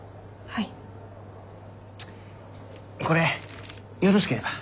これよろしければ。